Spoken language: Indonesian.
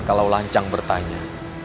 kalau lancang bertanya